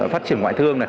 phát triển ngoại thương